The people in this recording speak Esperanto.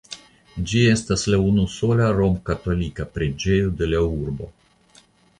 Ĝi estas la unusola romkatolika preĝejo de la urbo.